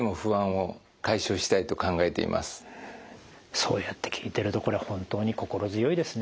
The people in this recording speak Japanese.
そうやって聞いてるとこれ本当に心強いですね。